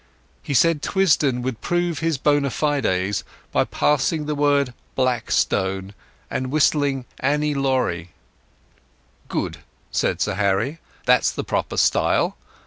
He said Twisdon would prove his bona fides by passing the word "Black Stone" and whistling "Annie Laurie". "Good," said Sir Harry. "That's the proper style.